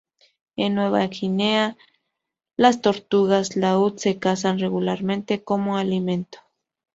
En Nueva Guinea, las tortugas laúd se cazan regularmente como alimento.